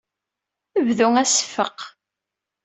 Bdu aseffeq.